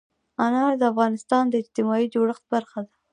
انار د افغانستان د اجتماعي جوړښت برخه ده.